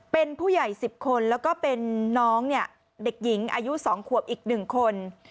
เป็นผู้ใหญ่๑๐คนแล้วก็เป็นน้องเด็กหญิงอายุ๒ขวบอีก๑คน